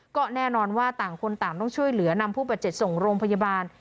ก็แน่นอนว่าต่างคนต่างต้องช่วยเหลือนำผู้บาดเจ็บส่งโรงพยาบาล